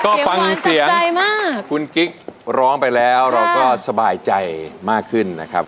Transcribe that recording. ก็ฟังเสียงคุณกิ๊กร้องไปแล้วเราก็สบายใจมากขึ้นนะครับ